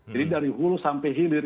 jadi dari hulu sampai hilir